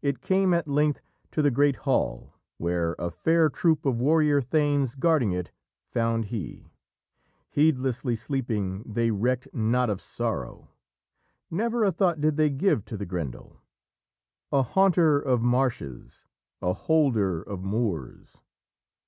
It came at length to the great hall where "A fair troop of warrior thanes guarding it found he; Heedlessly sleeping, they recked not of sorrow." Never a thought did they give to the Grendel, "A haunter of marshes, a holder of moors